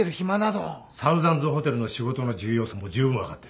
サウザンズホテルの仕事の重要さもじゅうぶん分かってる。